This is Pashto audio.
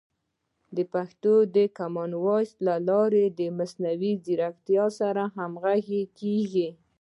پښتو د کامن وایس له لارې د مصنوعي ځیرکتیا سره همغږي کیږي.